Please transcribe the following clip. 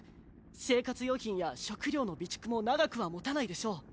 生活用品や食料の備蓄も長くは保たないでしょう。